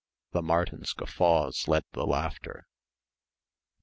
The Martins' guffaws led the laughter.